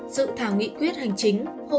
dự thảo nghị quyết hành chính